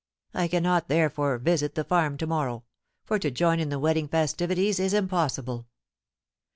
I cannot, therefore, visit the farm to morrow, for to join in the wedding festivities is impossible."